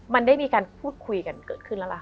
มันได้มีการพูดคุยกันเกิดขึ้นแล้วล่ะ